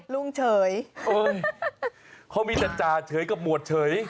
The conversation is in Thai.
รุ่งเฉยเขามีจัดจาเฉยก็หมวดเฉย